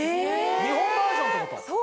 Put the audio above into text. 日本バージョンってこと⁉そう！